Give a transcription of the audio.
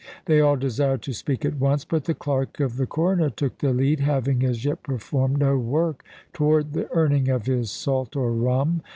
They all desired to speak at once; but the clerk of the Coroner took the lead, having as yet performed no work toward the earning of his salt or rum.